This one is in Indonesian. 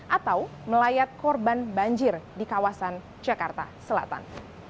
atau melayat korban banjir di kawasan jakarta selatan